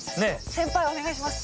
先輩お願いします。